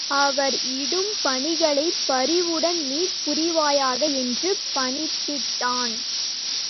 அவர் இடும் பணிகளைப் பரிவுடன் நீ புரிவாயாக என்று பணித்திட்டான்.